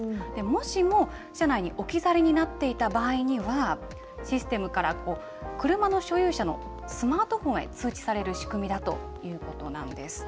もしも、車内に置き去りになっていた場合には、システムから車の所有者のスマートフォンへ通知される仕組みだということなんです。